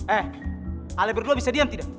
eh aleber lo bisa diam tidak